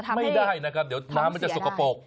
ไม่ได้นะครับเดี๋ยวน้ำมันจะสกปรก